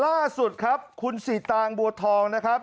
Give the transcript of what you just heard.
ล่าสุดครับคุณสีตางบัวทองนะครับ